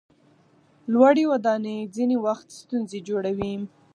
لوړې ودانۍ ځینې وخت ستونزې جوړوي.